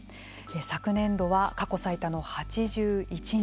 昨年度は過去最多の８１人。